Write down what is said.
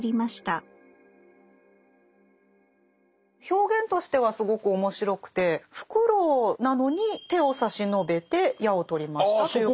表現としてはすごく面白くてフクロウなのに「手を差しのべて矢を取りました」ということですよね。